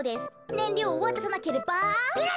ねんりょうをわたさなければ。